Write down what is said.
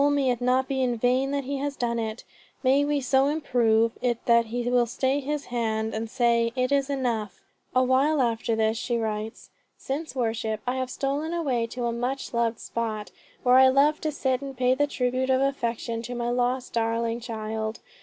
Oh may it not be in vain that he has done it. May we so improve it that he will stay his hand and say, 'It is enough.'" A while after this she writes: "Since worship I have stolen away to a much loved spot, where I love to sit and pay the tribute of affection to my lost, darling child.